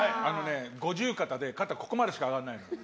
五十肩で肩ここまでしか上がらないの。